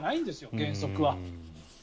原則は。